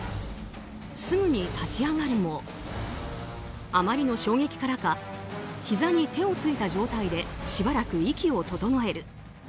すぐに立ち上がるもあまりの衝撃からかひざに手をついた状態でしばらく息を整える。